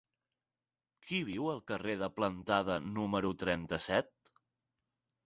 Qui viu al carrer de Plantada número trenta-set?